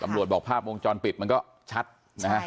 บอกภาพวงจรปิดมันก็ชัดนะฮะ